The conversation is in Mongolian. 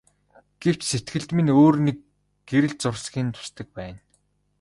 Гэвч сэтгэлд минь өөр нэг гэрэл зурсхийн тусдаг байна.